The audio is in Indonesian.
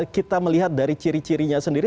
kita melihat dari ciri cirinya sendiri